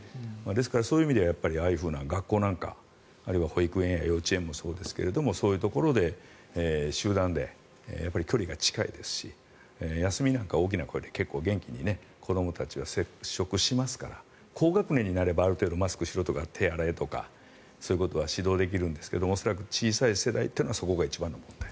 ですから、そういう意味ではああいうふうな学校なんかあるいは保育園や幼稚園もそうですけどそういうところで集団で距離も近いですし休みなんかは結構大きな声で子どもたちは接触しますから高学年になればある程度マスクしろとか手を洗えとかそういうことは指導できるんですが恐らく小さい世代というのはそこが一番問題。